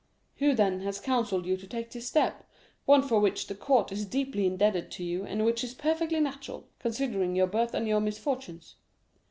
"'Who, then, has counselled you to take this step, one for which the court is deeply indebted to you, and which is perfectly natural, considering your birth and your misfortunes?